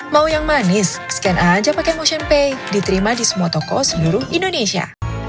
mau yang manis scan aja pakai motion pay diterima di semua toko seluruh indonesia